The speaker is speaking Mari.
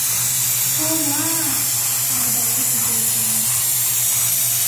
Кола-а, — малдалеш Опой кува.